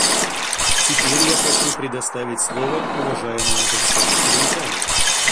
Теперь я хочу предоставить слово уважаемому представителю Италии.